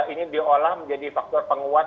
ini diolah menjadi faktor penguat